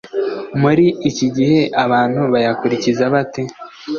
muri iki gihe abantu bayakurikiza bate?